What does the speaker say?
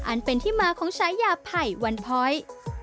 อันเป็นที่มาของฉายาไผ่วันพ้อย